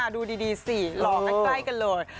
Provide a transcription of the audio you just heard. ดูดีสิหลอกใกล้กันเลย